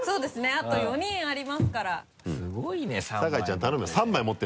あと４人ありますからすごいね３枚持ってて。